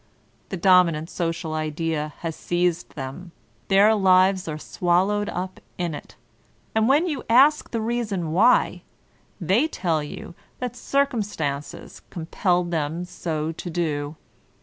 The Dominant Social Idea has seized them, their lives are swallowed up in it; and when you ask the reason why, they tell you that Circumstances compelled them 9^ VOLTAIRINE DB CbEntE SO to do.